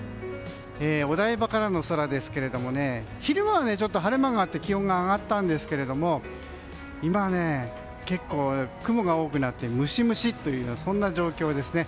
お台場からの空ですが昼間は晴れ間があって気温が上がったんですけれども今は結構、雲が多くなってムシムシという状況ですね。